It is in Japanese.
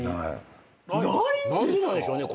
何でないんでしょうね